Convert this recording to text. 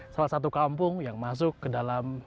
salah satu kampung yang masuk ke dalam